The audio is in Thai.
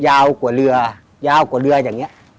ยาวกว่าเรือยาวกว่าเรืออย่างนี้